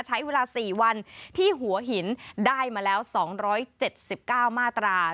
ใช้เวลา๔วันที่หัวหินได้มาแล้ว๒๗๙มาตรา